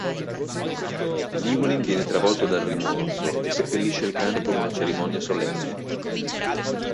Llewelyn viene travolto dal rimorso e seppellisce il cane con una cerimonia solenne.